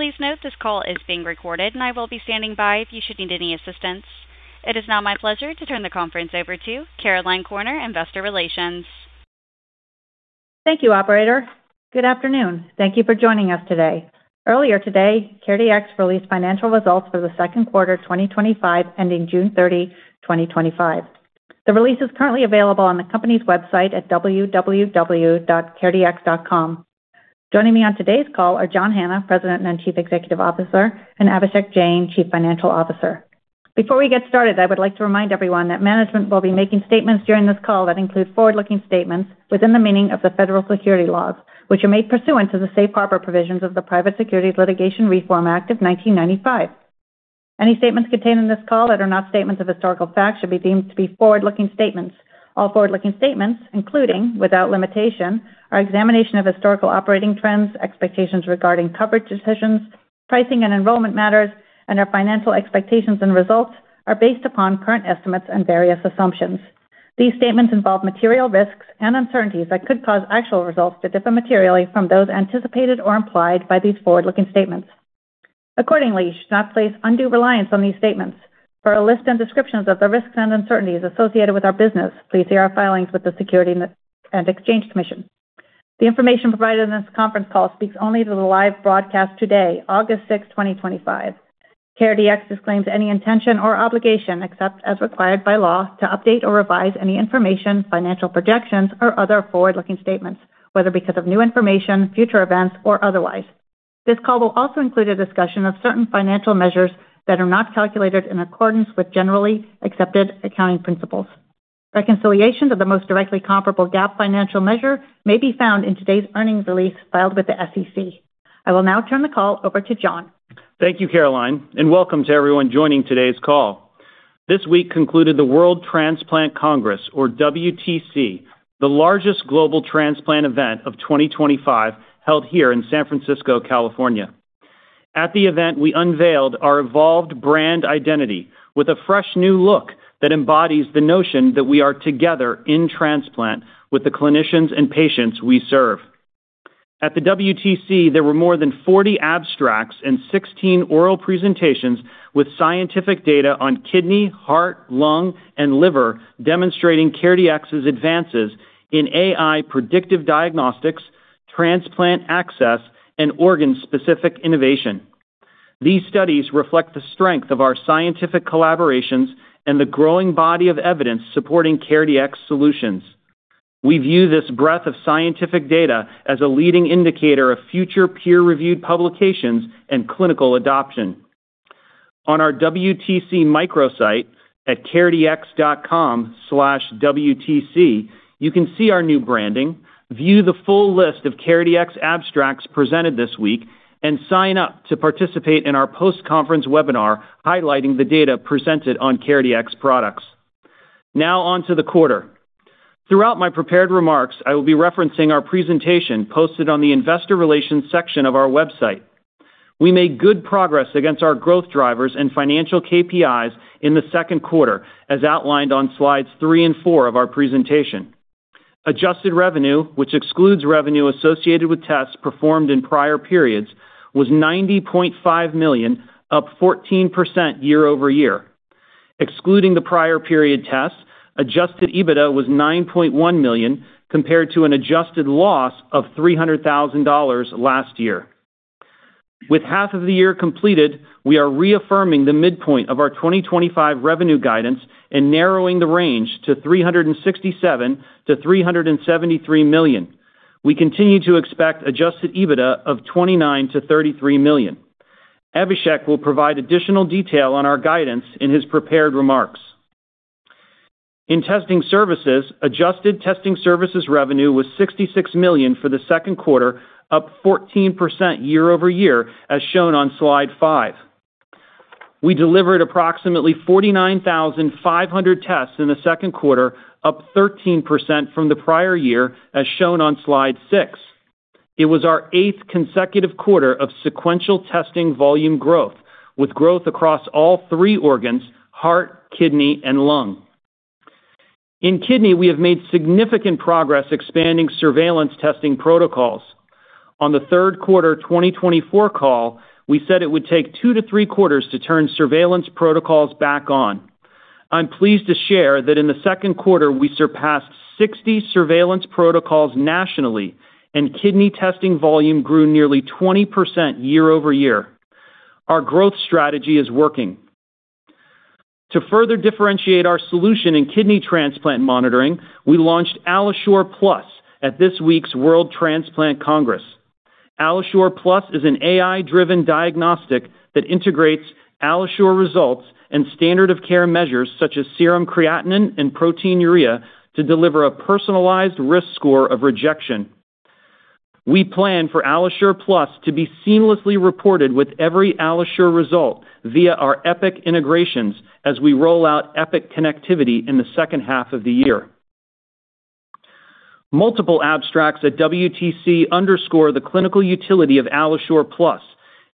Please note this call is being recorded, and I will be standing by if you should need any assistance. It is now my pleasure to turn the conference over to Caroline Corner, Investor Relations. Thank you, operator. Good afternoon. Thank you for joining us today. Earlier today, CareDx released financial results for the second quarter 2025, ending June 30, 2025. The release is currently available on the company's website at www.caredx.com. Joining me on today's call are John Hanna, President and Chief Executive Officer, and Abhishek Jain, Chief Financial Officer. Before we get started, I would like to remind everyone that management will be making statements during this call that include forward-looking statements within the meaning of the Federal Securities Laws, which are made pursuant to the Safe Harbor provisions of the Private Securities Litigation Reform Act of 1995. Any statements contained in this call that are not statements of historical fact should be deemed to be forward-looking statements. All forward-looking statements, including, without limitation, our examination of historical operating trends, expectations regarding coverage decisions, pricing, and enrollment matters, and our financial expectations and results are based upon current estimates and various assumptions. These statements involve material risks and uncertainties that could cause actual results to differ materially from those anticipated or implied by these forward-looking statements. Accordingly, you should not place undue reliance on these statements. For a list and descriptions of the risks and uncertainties associated with our business, please see our filings with the Securities and Exchange Commission. The information provided in this conference call speaks only to the live broadcast today, August 6, 2025. CareDx disclaims any intention or obligation, except as required by law, to update or revise any information, financial projections, or other forward-looking statements, whether because of new information, future events, or otherwise. This call will also include a discussion of certain financial measures that are not calculated in accordance with generally accepted accounting principles. Reconciliation to the most directly comparable GAAP financial measure may be found in today's earnings release filed with the SEC. I will now turn the call over to John. Thank you, Caroline, and welcome to everyone joining today's call. This week concluded the World Transplant Congress, or WTC, the largest global transplant event of 2025, held here in San Francisco, California. At the event, we unveiled our evolved brand identity with a fresh new look that embodies the notion that we are Together in Transplant with the clinicians and patients we serve. At the WTC, there were more than 40 abstracts and 16 oral presentations with scientific data on Kidney, Heart, Lung, and Liver, demonstrating CareDx's advances in AI Predictive Diagnostics, Transplant Access, and Organ-Specific Innovation. These studies reflect the strength of our scientific collaborations and the growing body of evidence supporting CareDx solutions. We view this breadth of scientific data as a leading indicator of future peer-reviewed publications and clinical adoption. On our WTC microsite at caredx.com/wtc, you can see our new branding, view the full list of CareDx abstracts presented this week, and sign up to participate in our post-conference webinar highlighting the data presented on CareDx products. Now on to the quarter. Throughout my prepared remarks, I will be referencing our presentation posted on the Investor Relations section of our website. We made good progress against our growth drivers and financial KPIs in the second quarter, as outlined on slides 3 and 4 of our presentation. Adjusted revenue, which excludes revenue associated with tests performed in prior periods, was $90.5 million, up 14% year-over-year. Excluding the prior period tests, adjusted EBITDA was $9.1 million compared to an adjusted loss of $300,000 last year. With half of the year completed, we are reaffirming the midpoint of our 2025 revenue guidance and narrowing the range to $367 million-$373 million. We continue to expect adjusted EBITDA of $29 million-$33 million. Ian Cooney will provide additional detail on our guidance in his prepared remarks. In Testing Services, adjusted testing services revenue was $66 million for the second quarter, up 14% year-over-year, as shown on slide 5. We delivered approximately 49,500 tests in the second quarter, up 13% from the prior year, as shown on slide 6. It was our eighth consecutive quarter of sequential testing volume growth, with growth across all three organs: Heart, Kidney, and Lung. In Kidney, we have made significant progress expanding surveillance testing protocols. On the third quarter 2024 call, we said it would take two to three quarters to turn surveillance protocols back on. I'm pleased to share that in the second quarter, we surpassed 60 surveillance protocols nationally, and kidney testing volume grew nearly 20% year-over-year. Our growth strategy is working. To further differentiate our solution in Kidney Transplant monitoring, we launched AlloSure Plus at this week's World Transplant Congress. AlloSure Plus is an AI-driven diagnostic that integrates AlloSure results and standard-of-care measures such as serum creatinine and proteinuria to deliver a personalized risk score of rejection. We plan for AlloSure Plus to be seamlessly reported with every AlloSure result via our Epic integrations as we roll out Epic connectivity in the second half of the year. Multiple abstracts at WTC underscore the clinical utility of AlloSure Plus,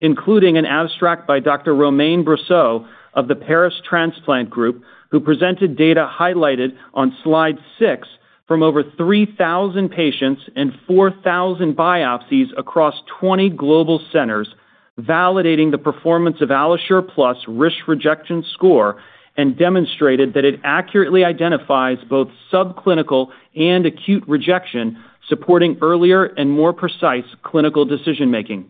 including an abstract by Dr. Romain Brousse of the Paris Transplant Group, who presented data highlighted on slide 6 from over 3,000 patients and 4,000 biopsies across 20 global centers, validating the performance of AlloSure Plus's risk rejection score and demonstrated that it accurately identifies both subclinical and acute rejection, supporting earlier and more precise clinical decision-making.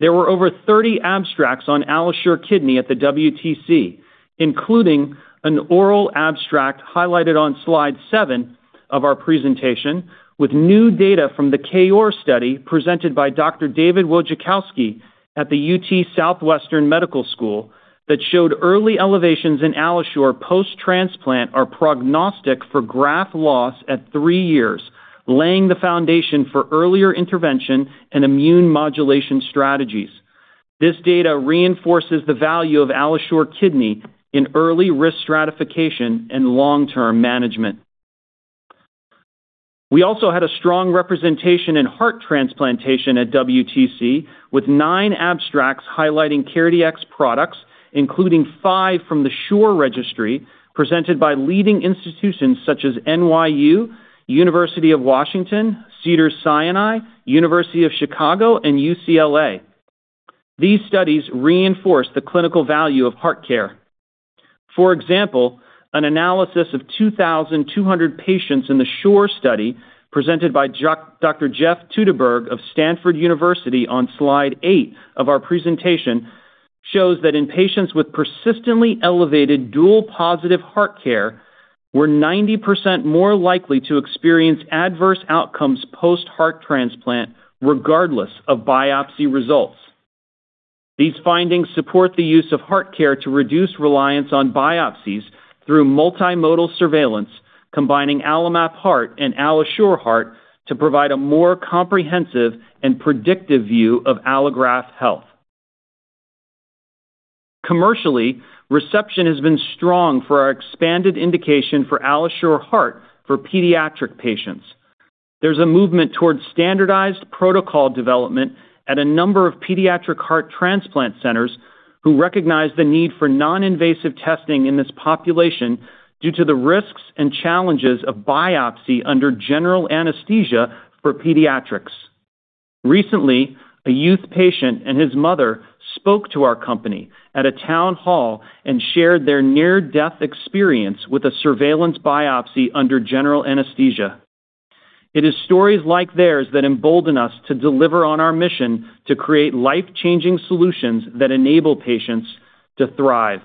There were over 30 abstracts on AlloSure Kidney at the WTC, including an oral abstract highlighted on slide 7 of our presentation with new data from the KOAR study presented by Dr. David Wojciechowski at the UT Southwestern Medical School that showed early elevations in AlloSure post-transplant are prognostic for graft loss at three years, laying the foundation for earlier intervention and immune modulation strategies. This data reinforces the value of AlloSure Kidney in early risk stratification and long-term management. We also had a strong representation in Heart Transplantation at WTC with nine abstracts highlighting CareDx products, including five from the SHORE registry presented by leading institutions such as NYU, University of Washington, Cedars-Sinai, University of Chicago, and UCLA. These studies reinforce the clinical value of HeartCare. For example, an analysis of 2,200 patients in the SHORE study presented by Dr. Jeffrey Teuteberg of Stanford University on slide 8 of our presentation shows that in patients with persistently elevated dual-positive HeartCare, were 90% more likely to experience adverse outcomes post-heart transplant regardless of biopsy results. These findings support the use of HeartCare to reduce reliance on biopsies through multimodal surveillance, combining AlloMap Heart and AlloSure Heart to provide a more comprehensive and predictive view of allograft health. Commercially, reception has been strong for our expanded indication for AlloSure Heart for pediatric patients. There's a movement towards standardized protocol development at a number of Pediatric Heart Transplant centers who recognize the need for non-invasive testing in this population due to the risks and challenges of biopsy under general anesthesia for pediatrics. Recently, a youth patient and his mother spoke to our company at a town hall and shared their near-death experience with a surveillance biopsy under general anesthesia. It is stories like theirs that embolden us to deliver on our mission to create life-changing solutions that enable patients to thrive.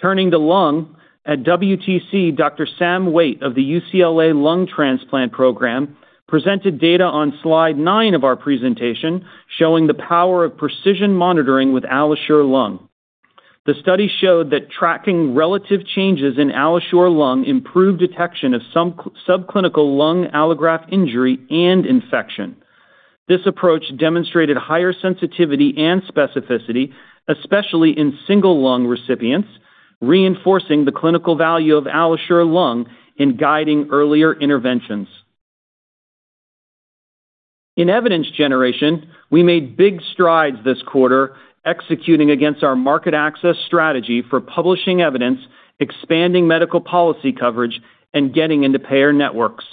Turning to Lung, at WTC, Dr. Sam Weigt of the UCLA Lung Transplant Program presented data on slide 9 of our presentation showing the power of precision monitoring with AlloSure Lung. The study showed that tracking relative changes in AlloSure Lung improved detection of subclinical lung allograft injury and infection. This approach demonstrated higher sensitivity and specificity, especially in single lung recipients, reinforcing the clinical value of AlloSure Lung in guiding earlier interventions. In evidence generation, we made big strides this quarter, executing against our market access strategy for publishing evidence, expanding medical policy coverage, and getting into payer networks.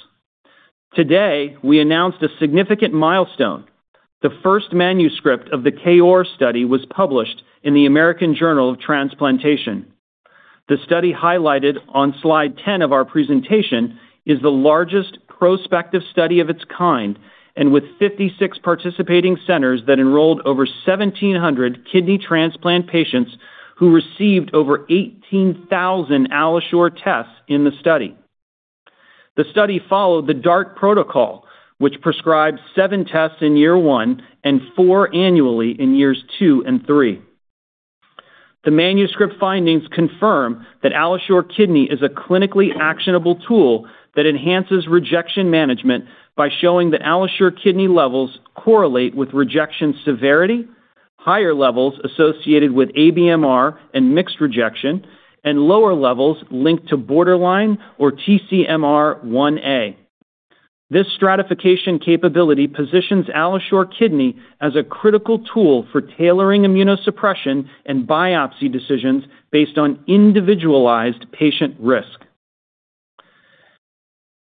Today, we announced a significant milestone. The first manuscript of the KOAR study was published in the American Journal of Transplantation. The study highlighted on slide 10 of our presentation is the largest prospective study of its kind, and with 56 participating centers that enrolled over 1,700 kidney transplant patients who received over 18,000 AlloSure tests in the study. The study followed the DART protocol, which prescribes seven tests in year one and four annually in years two and three. The manuscript findings confirm that AlloSure Kidney is a clinically actionable tool that enhances rejection management by showing that AlloSure Kidney levels correlate with rejection severity, higher levels associated with ABMR and mixed rejection, and lower levels linked to borderline or TCMR 1A. This stratification capability positions AlloSure Kidney as a critical tool for tailoring immunosuppression and biopsy decisions based on individualized patient risk.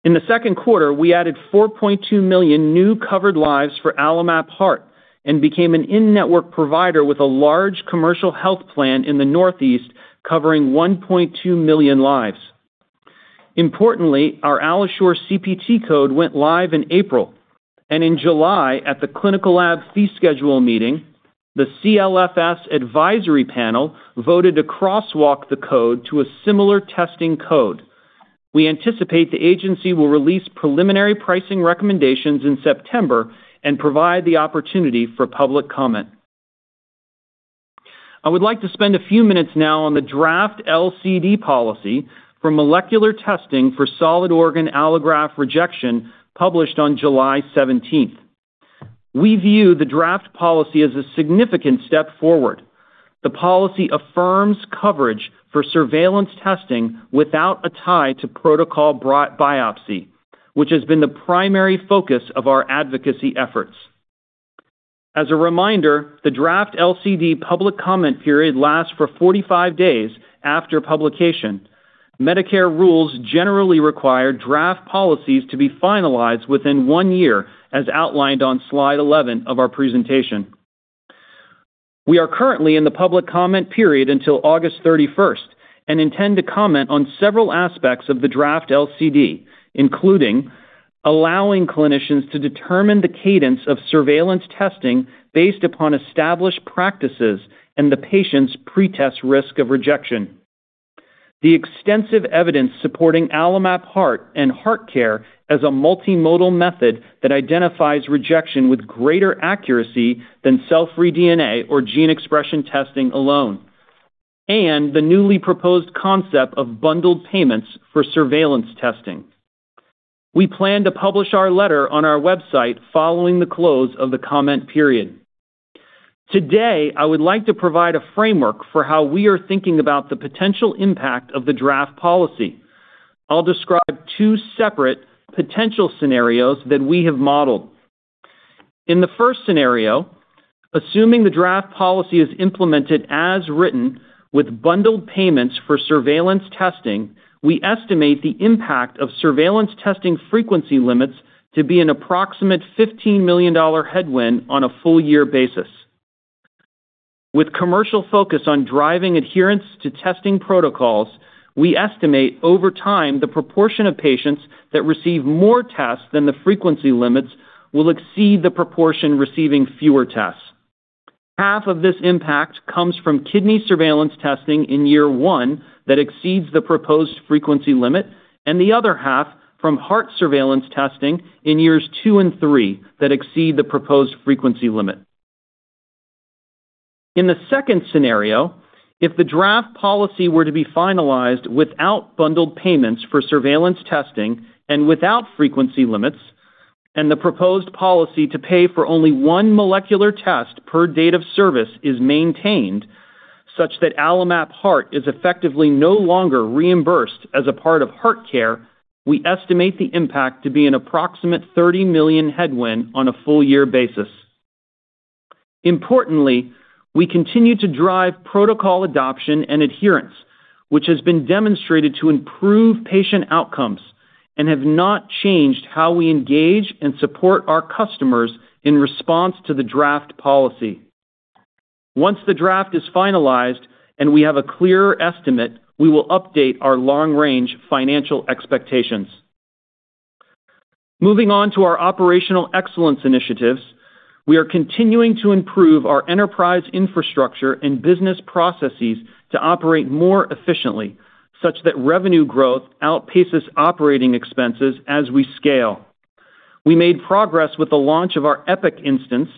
In the second quarter, we added $4.2 million new covered lives for AlloMap Heart and became an in-network provider with a large commercial health plan in the Northeast, covering $1.2 million lives. Importantly, our AlloSure CPT code went live in April, and in July, at the Clinical Lab Fee Schedule meeting, the CLFS advisory panel voted to crosswalk the code to a similar testing code. We anticipate the agency will release preliminary pricing recommendations in September and provide the opportunity for public comment. I would like to spend a few minutes now on the draft LCD policy for molecular testing for solid organ allograft rejection published on July 17. We view the draft policy as a significant step forward. The policy affirms coverage for surveillance testing without a tie to protocol-biopsy, which has been the primary focus of our advocacy efforts. As a reminder, the draft LCD public comment period lasts for 45 days after publication. Medicare rules generally require draft policies to be finalized within one year, as outlined on slide 11 of our presentation. We are currently in the public comment period until August 31st, and intend to comment on several aspects of the draft LCD, including allowing clinicians to determine the cadence of surveillance testing based upon established practices and the patient's pretest risk of rejection. The extensive evidence supporting AlloMap Heart and HeartCare as a multimodal method that identifies rejection with greater accuracy than cell-free DNA or gene expression testing alone, and the newly proposed concept of bundled payments for surveillance testing. We plan to publish our letter on our website following the close of the comment period. Today, I would like to provide a framework for how we are thinking about the potential impact of the draft policy. I'll describe two separate potential scenarios that we have modeled. In the first scenario, assuming the draft policy is implemented as written with bundled payments for surveillance testing, we estimate the impact of surveillance testing frequency limits to be an approximate $15 million headwind on a full-year basis. With commercial focus on driving adherence to testing protocols, we estimate over time the proportion of patients that receive more tests than the frequency limits will exceed the proportion receiving fewer tests. Half of this impact comes from kidney surveillance testing in year one that exceeds the proposed frequency limit, and the other half from heart surveillance testing in years two and three that exceed the proposed frequency limit. In the second scenario, if the draft policy were to be finalized without bundled payments for surveillance testing and without frequency limits, and the proposed policy to pay for only one molecular test per date of service is maintained, such that AlloMap Heart is effectively no longer reimbursed as a part of HeartCare, we estimate the impact to be an approximate $30 million headwind on a full-year basis. Importantly, we continue to drive protocol adoption and adherence, which has been demonstrated to improve patient outcomes and has not changed how we engage and support our customers in response to the draft policy. Once the draft is finalized and we have a clearer estimate, we will update our long-range financial expectations. Moving on to our operational excellence initiatives, we are continuing to improve our enterprise infrastructure and business processes to operate more efficiently, such that revenue growth outpaces operating expenses as we scale. We made progress with the launch of our Epic instance,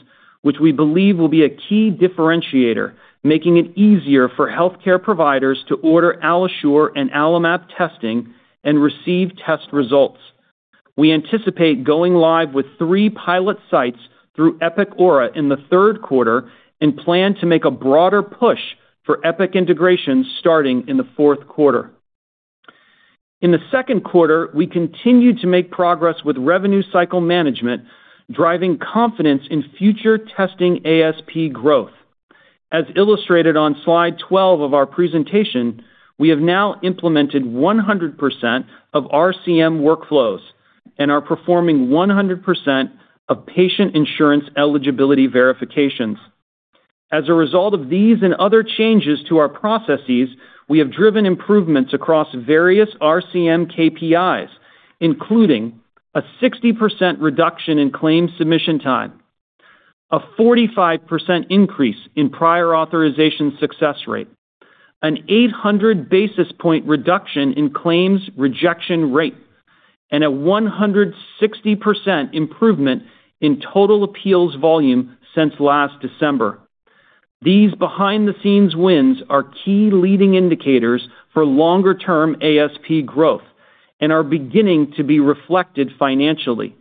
which we believe will be a key differentiator, making it easier for healthcare providers to order AlloSure and AlloMap testing and receive test results. We anticipate going live with three pilot sites through Epic Aura in the third quarter and plan to make a broader push for Epic integrations starting in the fourth quarter. In the second quarter, we continue to make progress with revenue cycle management, driving confidence in future testing ASP growth. As illustrated on slide 12 of our presentation, we have now implemented 100% of RCM workflows and are performing 100% of patient insurance eligibility verifications. As a result of these and other changes to our processes, we have driven improvements across various RCM KPIs, including a 60% reduction in claim submission time, a 45% increase in prior authorization success rate, an 800 basis point reduction in claims rejection rate, and a 160% improvement in total appeals volume since last December. These behind-the-scenes wins are key leading indicators for longer-term ASP growth and are beginning to be reflected financially.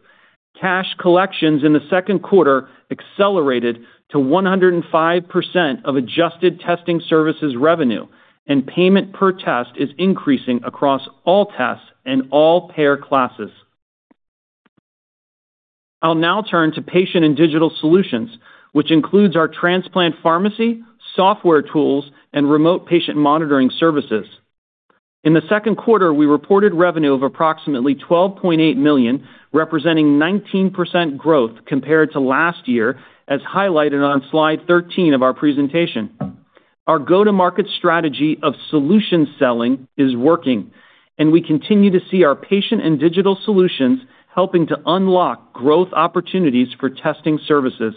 Cash collections in the second quarter accelerated to 105% of adjusted testing services revenue, and payment per test is increasing across all tests and all payer classes. I'll now turn to Patient and Digital Solutions, which includes our Transplant Pharmacy, Software Tools, and Remote Patient Monitoring services. In the second quarter, we reported revenue of approximately $12.8 million, representing 19% growth compared to last year, as highlighted on slide 13 of our presentation. Our go-to-market strategy of solution selling is working, and we continue to see our Patient and Digital Solutions helping to unlock growth opportunities for testing services.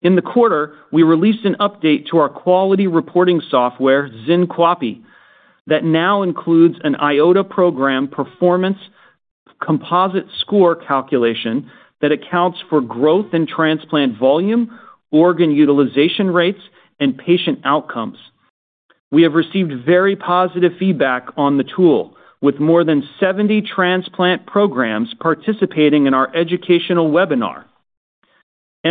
In the quarter, we released an update to our quality reporting software, XynQAPI, that now includes an IOTA program performance composite score calculation that accounts for growth in transplant volume, organ utilization rates, and patient outcomes. We have received very positive feedback on the tool, with more than 70 transplant programs participating in our educational webinar.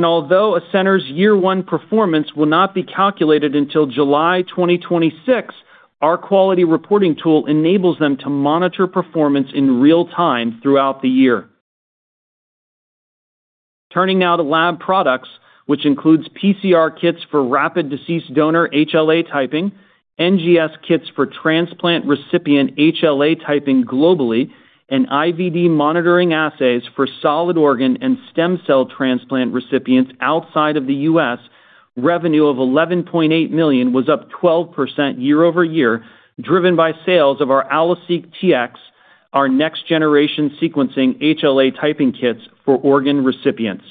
Although a center's year-one performance will not be calculated until July 2026, our quality reporting tool enables them to monitor performance in real time throughout the year. Turning now to lab products, which includes PCR kits for rapid deceased donor HLA typing, NGS kits for transplant recipient HLA typing globally, and IVD monitoring assays for solid organ and stem cell transplant recipients outside of the U.S., revenue of $11.8 million was up 12% year-over-year, driven by sales of our AlloSeq Tx, our next-generation sequencing HLA typing kits for organ recipients.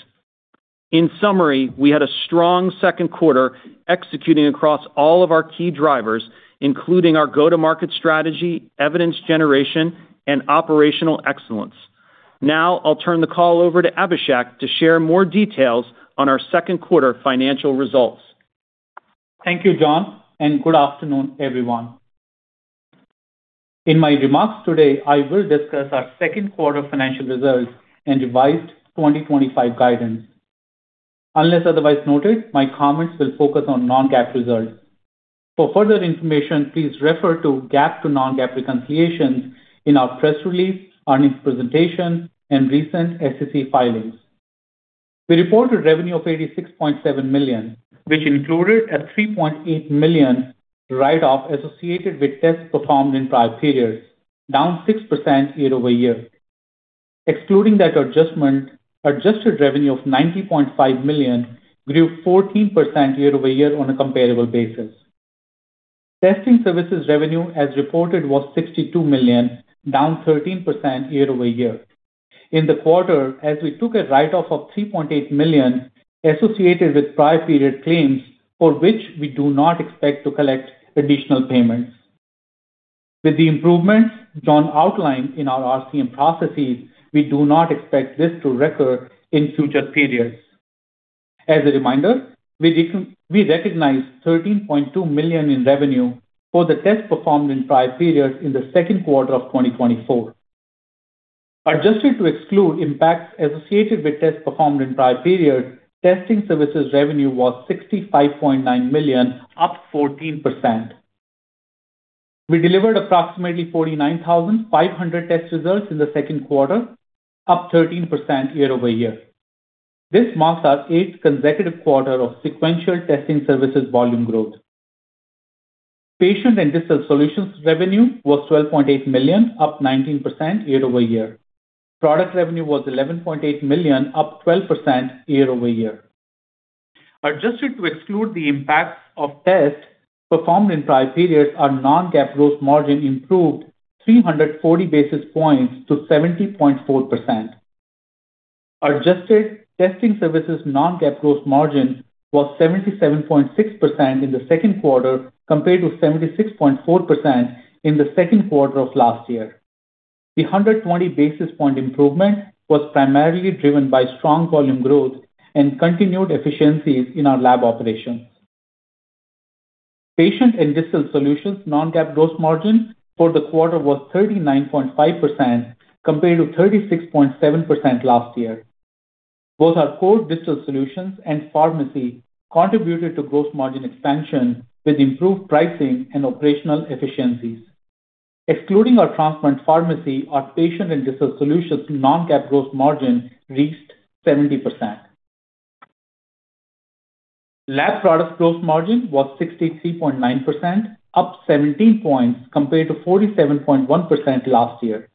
In summary, we had a strong second quarter executing across all of our key drivers, including our go-to-market strategy, evidence generation, and operational excellence. Now, I'll turn the call over to Abhishek to share more details on our second quarter financial results. Thank you, John, and good afternoon, everyone. In my remarks today, I will discuss our second quarter financial results and revised 2025 guidance. Unless otherwise noted, my comments will focus on non-GAAP results. For further information, please refer to GAAP to non-GAAP reconciliations in our press release, earnings presentation, and recent SEC filings. We reported a revenue of $86.7 million, which included a $3.8 million write-off associated with tests performed in prior periods, down 6% year-over-year. Excluding that adjustment, adjusted revenue of $90.5 million grew 14% year-over-year on a comparable basis. Testing services revenue, as reported, was $62 million, down 13% year-over-year. In the quarter, as we took a write-off of $3.8 million associated with prior period claims for which we do not expect to collect additional payments. With the improvements John outlined in our RCM processes, we do not expect this to recur in future periods. As a reminder, we recognize $13.2 million in revenue for the tests performed in prior periods in the second quarter of 2024. Adjusted to exclude impacts associated with tests performed in prior periods, testing services revenue was $65.9 million, up 14%. We delivered approximately 49,500 test results in the second quarter, up 13% year-over-year. This marks our eighth consecutive quarter of sequential testing services volume growth. Patient and Digital Solutions revenue was $12.8 million, up 19% year-over-year. Product revenue was $11.8 million, up 12% year-over-year. Adjusted to exclude the impacts of tests performed in prior periods, our non-GAAP gross margin improved 340 basis points to 70.4%. Adjusted testing services non-GAAP gross margin was 77.6% in the second quarter compared to 76.4% in the second quarter of last year. The 120 basis point improvement was primarily driven by strong volume growth and continued efficiencies in our lab operations. Patient and Digital Solutions non-GAAP gross margin for the quarter was 39.5% compared to 36.7% last year. Both our core Digital Solutions and Pharmacy contributed to gross margin expansion with improved pricing and operational efficiencies. Excluding our Transplant Pharmacy, our Patient and Digital Solutions non-GAAP gross margin reached 70%. Lab product gross margin was 63.9%, up 17 points compared to 47.1% last year.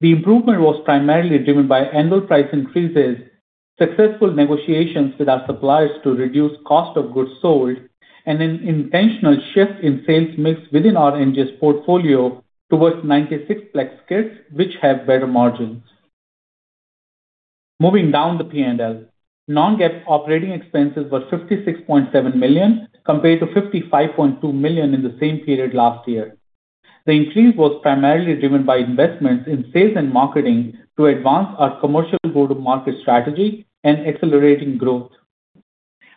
The improvement was primarily driven by annual price increases, successful negotiations with our suppliers to reduce cost of goods sold, and an intentional shift in sales mix within our NGS portfolio towards 96-plex kits, which have better margins. Moving down the P&L, non-GAAP operating expenses were $56.7 million compared to $55.2 million in the same period last year. The increase was primarily driven by investments in sales and marketing to advance our commercial go-to-market strategy and accelerating growth.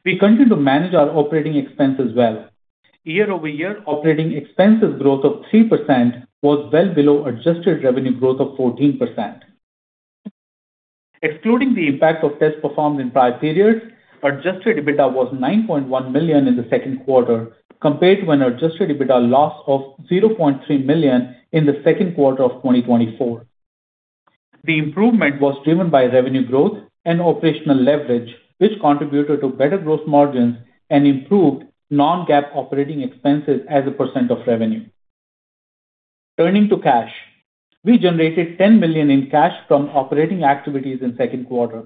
We continue to manage our operating expenses well. Year-over-year, operating expenses growth of 3% was well below adjusted revenue growth of 14%. Excluding the impact of tests performed in prior periods, adjusted EBITDA was $9.1 million in the second quarter compared to an adjusted EBITDA loss of $0.3 million in the second quarter of 2024. The improvement was driven by revenue growth and operational leverage, which contributed to better gross margins and improved non-GAAP operating expenses as a percent of revenue. Turning to cash, we generated $10 million in cash from operating activities in the second quarter.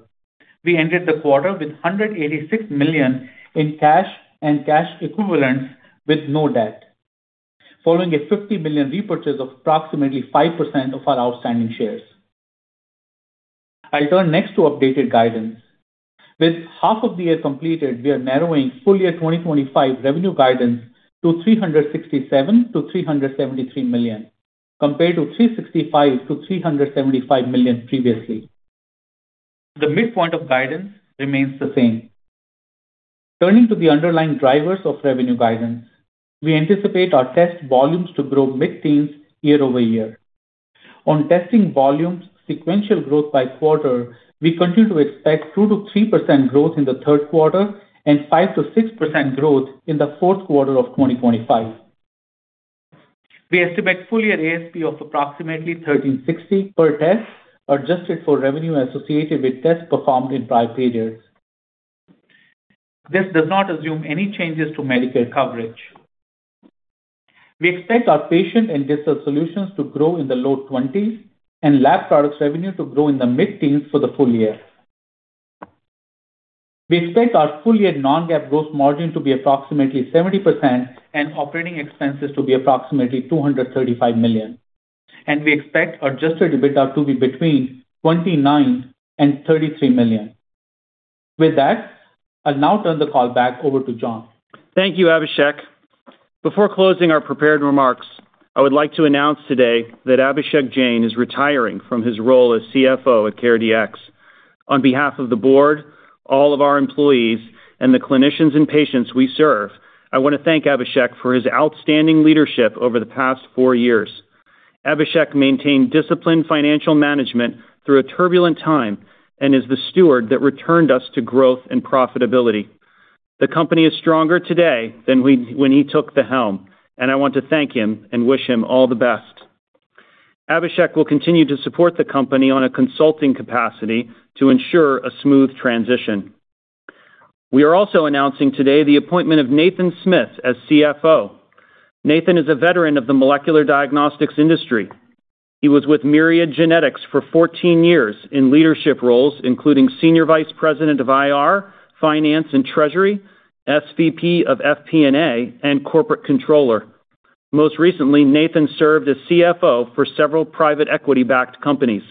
We ended the quarter with $186 million in cash and cash equivalents with no debt, following a $50 million repurchase of approximately 5% of our outstanding shares. I'll turn next to updated guidance. With half of the year completed, we are narrowing full-year 2025 revenue guidance to $367 million-$373 million compared to $365 million-$375 million previously. The midpoint of guidance remains the same. Turning to the underlying drivers of revenue guidance, we anticipate our test volumes to grow mid-teens year-over-year. On testing volumes sequential growth by quarter, we continue to expect 2%-3% growth in the third quarter and 5%-6% growth in the fourth quarter of 2025. We estimate full-year ASP of approximately $1,360 per test adjusted for revenue associated with tests performed in prior periods. This does not assume any changes to Medicare coverage. We expect our patient and digital solutions to grow in the low 20s and lab products revenue to grow in the mid-teens for the full year. We expect our full-year non-GAAP gross margin to be approximately 70% and operating expenses to be approximately $235 million, and we expect adjusted EBITDA to be between $29 million and $33 million. With that, I'll now turn the call back over to John. Thank you, Abhishek. Before closing our prepared remarks, I would like to announce today that Abhishek is retiring from his role as CFO at CareDx. On behalf of the board, all of our employees, and the clinicians and patients we serve, I want to thank Abhishek for his outstanding leadership over the past four years. Abhishek maintained disciplined financial management through a turbulent time and is the steward that returned us to growth and profitability. The company is stronger today than when he took the helm, and I want to thank him and wish him all the best. Abhishek will continue to support the company in a consulting capacity to ensure a smooth transition. We are also announcing today the appointment of Nathan Smith as CFO. Nathan is a veteran of the molecular diagnostics industry. He was with Myriad Genetics for 14 years in leadership roles, including Senior Vice President of IR, Finance, and Treasury, SVP of FP&A, and Corporate Controller. Most recently, Nathan served as CFO for several private equity-backed companies.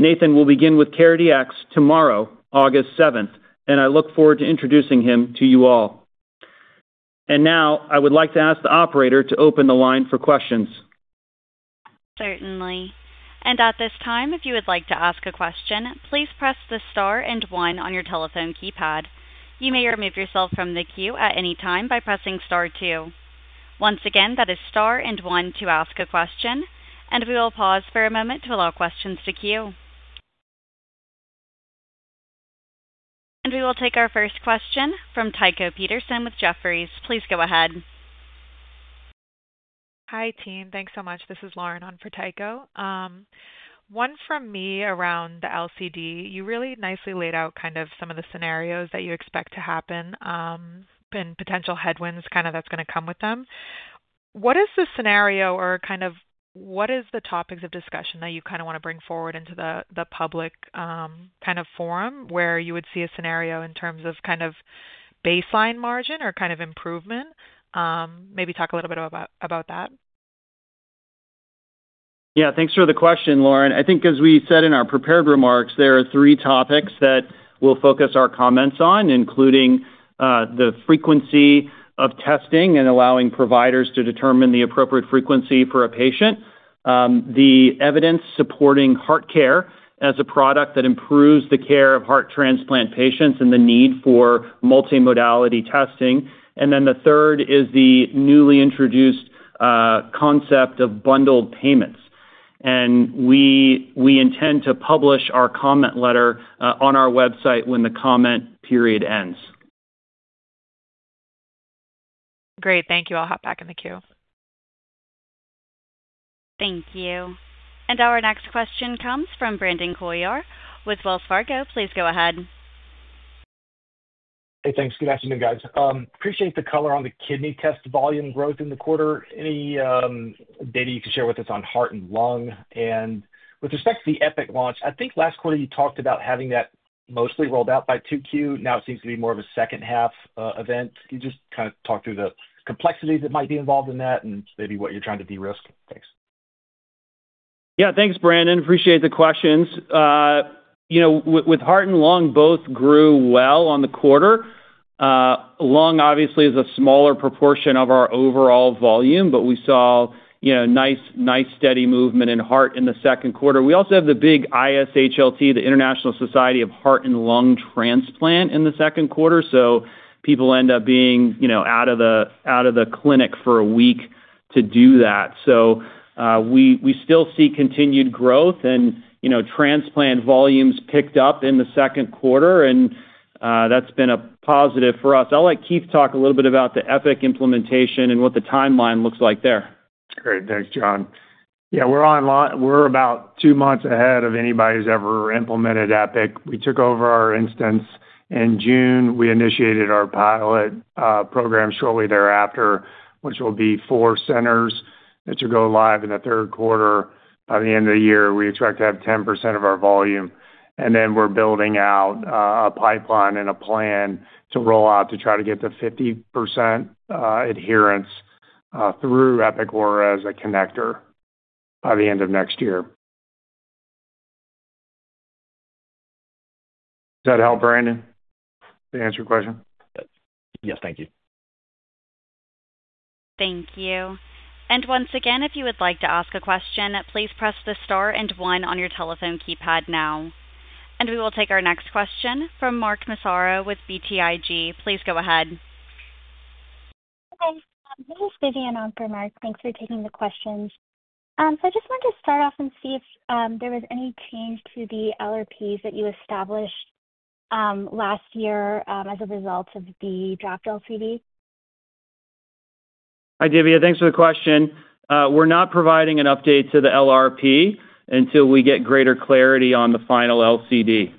Nathan will begin with CareDx tomorrow, August 7th, and I look forward to introducing him to you all. I would like to ask the operator to open the line for questions. Certainly. At this time, if you would like to ask a question, please press the star and one on your telephone keypad. You may remove yourself from the queue at any time by pressing star two. Once again, that is star and one to ask a question. We will pause for a moment to allow questions to queue. We will take our first question from Tycho Peterson with Jefferies. Please go ahead. Hi, team. Thanks so much. This is Lauren on for Tycho. One from me around the LCD. You really nicely laid out some of the scenarios that you expect to happen and potential headwinds that's going to come with them. What is the scenario or what are the topics of discussion that you want to bring forward into the public forum where you would see a scenario in terms of baseline margin or improvement? Maybe talk a little bit about that. Yeah, thanks for the question, Lauren. I think as we said in our prepared remarks, there are three topics that we'll focus our comments on, including the frequency of testing and allowing providers to determine the appropriate frequency for a patient, the evidence supporting HeartCare as a product that improves the care of heart transplant patients and the need for multimodality testing, and the third is the newly introduced concept of bundled payments. We intend to publish our comment letter on our website when the comment period ends. Great. Thank you. I'll hop back in the queue. Thank you. Our next question comes from Brandon Couillard with Wells Fargo. Please go ahead. Hey, thanks. Good afternoon, guys. Appreciate the color on the kidney test volume growth in the quarter. Any data you could share with us on Heart and Lung? With respect to the Epic launch, I think last quarter you talked about having that mostly rolled out by 2Q. Now it seems to be more of a second half event. Can you just kind of talk through the complexities that might be involved in that and maybe what you're trying to de-risk? Thanks. Yeah, thanks, Brandon. Appreciate the questions. With Heart and Lung, both grew well on the quarter. Lung obviously is a smaller proportion of our overall volume, but we saw nice, nice steady movement in Heart in the second quarter. We also have the big ISHLT, the International Society of Heart and Lung Transplant, in the second quarter. People end up being out of the clinic for a week to do that. We still see continued growth and transplant volumes picked up in the second quarter, and that's been a positive for us. I'll let Keith talk a little bit about the Epic implementation and what the timeline looks like there. That's great. Thanks, John. Yeah, we're online. We're about two months ahead of anybody who's ever implemented Epic. We took over our instance in June. We initiated our pilot program shortly thereafter, which will be four centers that should go live in the third quarter. By the end of the year, we expect to have 10% of our volume. We're building out a pipeline and a plan to roll out to try to get to 50% adherence through Epic Aura as a connector by the end of next year. Does that help, Brandon? Did that answer your question? Yes, thank you. Thank you. If you would like to ask a question, please press the star and one on your telephone keypad now. We will take our next question from Mark Massaro with BTIG. Please go ahead. This is [Vivienne] on for Mark. Thanks for taking the questions. I just wanted to start off and see if there was any change to the LRPs that you established last year as a result of the draft LCD. Hi, [Vivienne]. Thanks for the question. We're not providing an update to the LRP until we get greater clarity on the final LCD.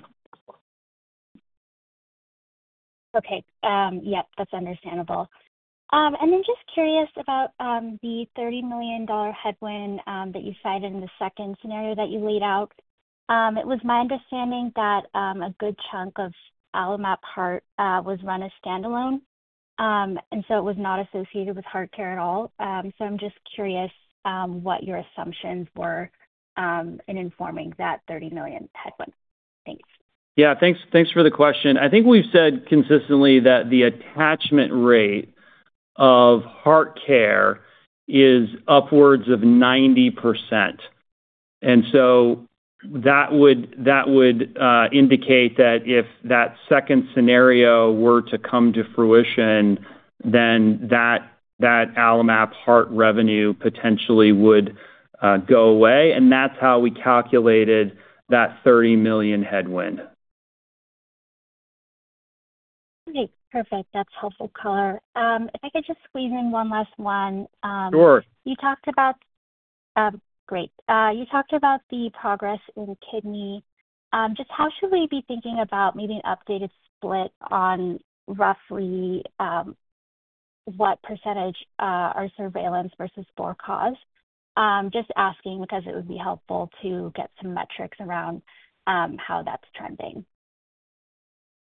Okay. Yeah, that's understandable. I'm just curious about the $30 million headwind that you cited in the second scenario that you laid out. It was my understanding that a good chunk of AlloMap Heart was run as standalone, and it was not associated with HeartCare at all. I'm just curious what your assumptions were in informing that $30 million headwind. Thanks. Yeah, thanks for the question. I think we've said consistently that the attachment rate of HeartCare is upwards of 90%. That would indicate that if that second scenario were to come to fruition, then that AlloMap Heart revenue potentially would go away. That's how we calculated that $30 million headwind. Okay. Perfect. That's helpful color. If I could just squeeze in one last one. Sure. You talked about the progress in kidney. Just how should we be thinking about maybe an updated split on roughly what percentage are surveillance versus for cause? Just asking because it would be helpful to get some metrics around how that's trending.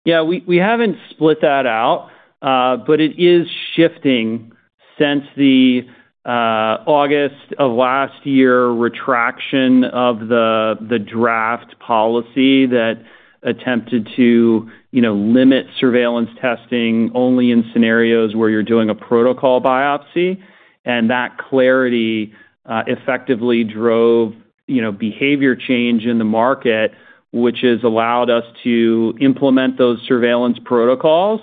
Yeah, we haven't split that out, but it is shifting since the August of last year retraction of the draft policy that attempted to, you know, limit surveillance testing only in scenarios where you're doing a protocol biopsy. That clarity effectively drove, you know, behavior change in the market, which has allowed us to implement those surveillance protocols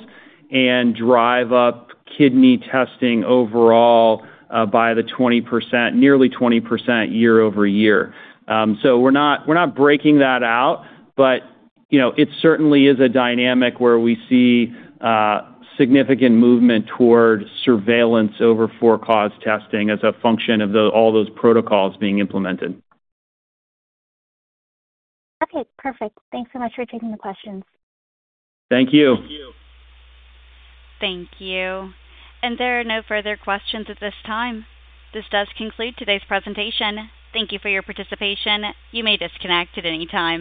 and drive up kidney testing overall by the 20%, nearly 20% year-over-year. We're not breaking that out, but it certainly is a dynamic where we see significant movement toward surveillance over for cause testing as a function of all those protocols being implemented. Okay. Perfect. Thanks so much for taking the questions. Thank you. Thank you. There are no further questions at this time. This does conclude today's presentation. Thank you for your participation. You may disconnect at any time.